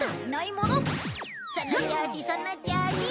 その調子その調子。